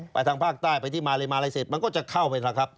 ทางภาคใต้ไปที่มาเลมาอะไรเสร็จมันก็จะเข้าไปแล้วครับ